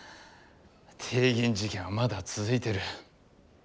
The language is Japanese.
帝銀事件はまだ続いてる。